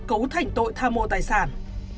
cấu thành tội tham mô tài sản